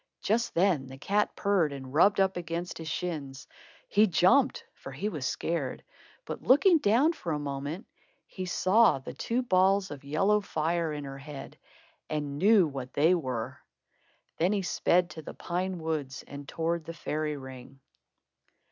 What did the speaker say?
Just then the cat purred and rubbed up against his shins. He jumped, for he was scared; but looking down, for a moment, he saw the two balls of yellow fire in her head and knew what they were. Then he sped to the pine woods and towards the fairy ring.